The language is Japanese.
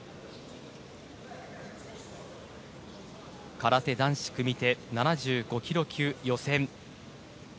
空手男子組手７５ｋｇ級予選。